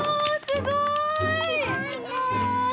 すごいね。